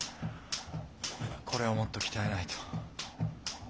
これをもっと鍛えないと。